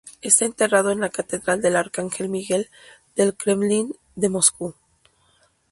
Está enterrado en la Catedral del Arcángel Miguel del Kremlin de Moscú.